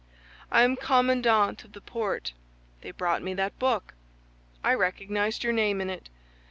I am commandant of the port. They brought me that book. I recognized your name in it.